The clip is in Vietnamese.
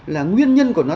là nguyên nhân của nó